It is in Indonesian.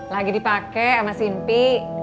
lagi dipake sama simpi